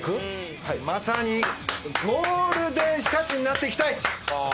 まさにゴールデンシャチになっていきたいという。